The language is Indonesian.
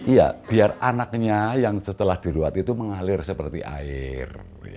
iya biar anaknya yang setelah diruat itu mengalir seperti air